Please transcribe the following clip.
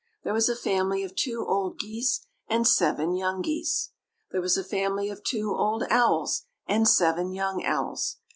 There was a family of two old geese and seven young geese. There was a family of two old owls and seven young owls.